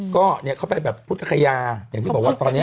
ก็เข้าไปแบบพุทธภัยาอย่างที่บอกว่าตอนนี้